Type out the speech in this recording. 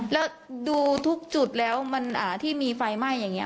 แล้วดูทุกจุดแล้วที่มีไฟไหม้อย่างนี้